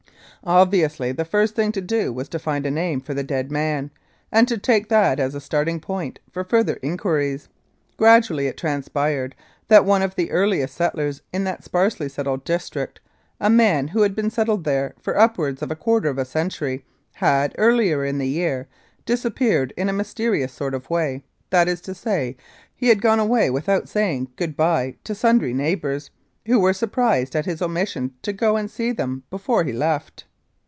Obviously the first thing to do was to find a name for the dead man, and to take that as a starting point for further inquiries. Gradually it transpired that one of the earliest settlers in that sparsely settled district, a man who had been settled there for upwards of a quarter of a century had, earlier in the year, disappeared in a mysterious sort of way, that is to say, he had gone away without saying " good bye" to sundry neighbours, who were surprised at his omission to go and see them before he left.